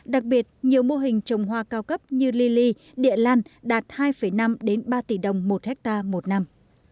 đặc biệt nhiều mô hình trồng hoa cao cấp như li li địa lan đạt hai năm ba tỷ đồng một ha một năm